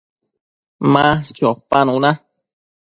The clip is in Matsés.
Ma chopanuna